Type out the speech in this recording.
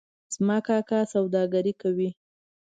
زما کاکا سوداګري کوي